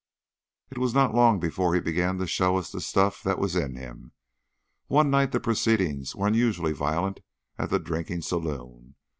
It was not long before he began to show us the stuff that was in him. One night the proceedings were unusually violent at the drinking saloon.